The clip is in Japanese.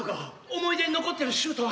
思い出に残ってるシュートは？